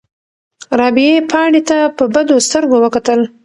رابعې پاڼې ته په بدو سترګو وکتل.